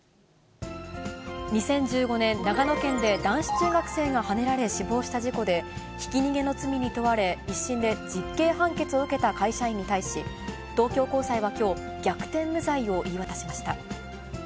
２０１５年、長野県で男子中学生がはねられ死亡した事故で、ひき逃げの罪に問われ、１審で実刑判決を受けた会社員に対し、東京高裁はきょう、逆転無罪を言い渡しました。